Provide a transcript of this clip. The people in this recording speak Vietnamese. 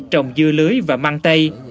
trồng dưa lưới và măng tây